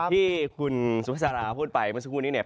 ที่คุณสุภาษาราพูดไปเมื่อสักครู่นี้เนี่ย